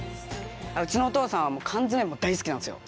うちのお父さんは缶詰も大好きなんですよ。